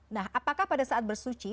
nah apakah pada saat bersuci